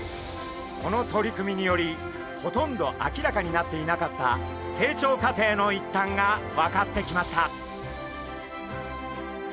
この取り組みによりほとんど明らかになっていなかった成長過程の一端が分かってきました。